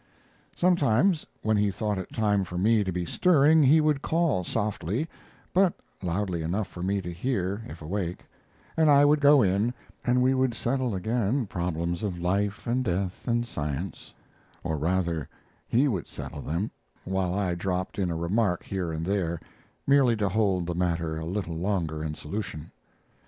Sometimes, when he thought it time for me to be stirring, he would call softly, but loudly enough for me to hear if awake; and I would go in, and we would settle again problems of life and death and science, or, rather, he would settle them while I dropped in a remark here and there, merely to hold the matter a little longer in solution.